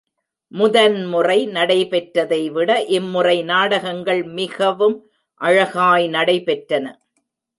முதன்முறை நடைபெற்றதைவிட, இம்முறை நாடகங்கள் மிகவும் அழகாய் நடைபெற்றன.